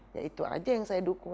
ya itu aja yang saya dukung